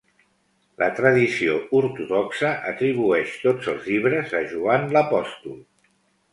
La tradició ortodoxa atribueix tots els llibres a Joan l'Apòstol.